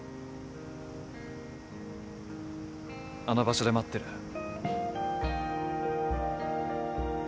あの場所で待ってる。